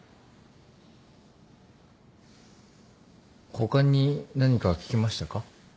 他に何か聞きましたか？